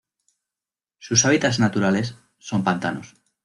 Sus hábitats naturales son pantanos.